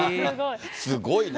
すごいな。